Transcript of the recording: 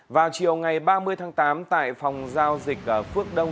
vào chiều ngày ba mươi tháng tám tại phòng giao dịch phước đông